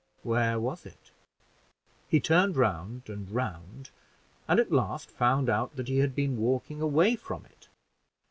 Where was it? He turned round and round, and at last found out that he had been walking away from it.